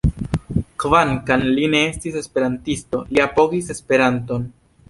Kvankam li ne estis esperantisto, li apogis Esperanton.